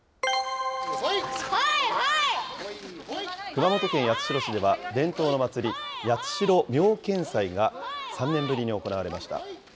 熊本県八代市では、伝統の祭り、八代妙見祭が３年ぶりに行われました。